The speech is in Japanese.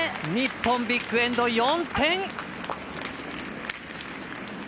日本、ビッグエンド４点！